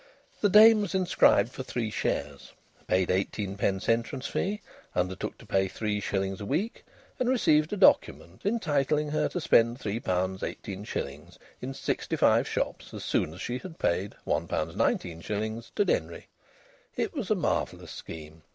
The dame was inscribed for three shares, paid eighteen pence entrance fee, undertook to pay three shillings a week, and received a document entitling her to spend £3, 18s. in sixty five shops as soon as she had paid £1, 19s. to Denry. It was a marvellous scheme.